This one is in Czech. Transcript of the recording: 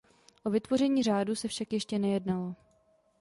O vytvoření řádu se však ještě nejednalo.